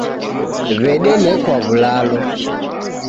W'edenekwa w'ulalo.